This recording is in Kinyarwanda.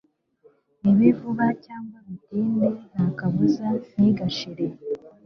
Bibe vuba cyangwa bitinde ntakaba ntigashire